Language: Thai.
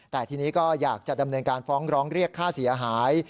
แต่ทีนี้ก็อยากจะดำเนินการฟ้องร้องเรียกค่าเสียหาย